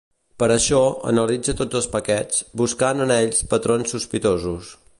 Per a això, analitza tots els paquets, buscant en ells patrons sospitosos.